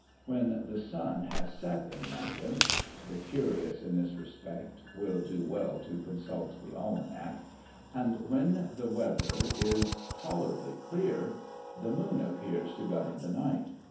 When the sun has set in London (the curious in this respect, will do well to consult the Almanack), and when the weather is tolerably clear, the moon appears to govern the night.